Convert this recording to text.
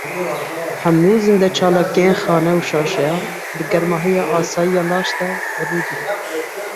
Hemû zîndeçalakiyên xane û şaneyan, di germahiya asayî ya laş de rû didin.